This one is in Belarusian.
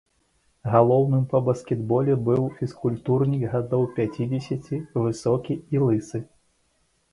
Галоўным па баскетболе быў фізкультурнік гадоў пяцідзесяці, высокі і лысы.